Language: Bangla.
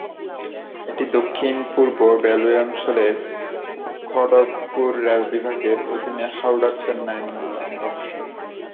এটি দক্ষিণ পূর্ব রেলওয়ে অঞ্চলের খড়গপুর রেল বিভাগের অধীনে হাওড়া-চেন্নাই মূল লাইনের অংশ।